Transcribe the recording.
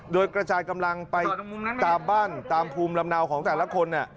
โดยกระจายกำลังไปตามบ้านตามภูมิลำเนาของแต่ละคน